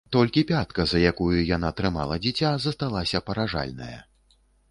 Толькі пятка, за якую яна трымала дзіця, засталася паражальная.